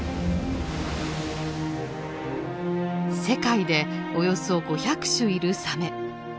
世界でおよそ５００種いるサメ。